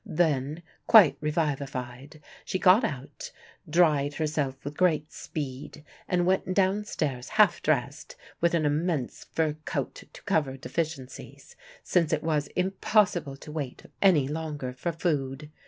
Then, quite revivified, she got out, dried herself with great speed and went downstairs half dressed, with an immense fur coat to cover deficiencies, since it was impossible to wait any longer for food.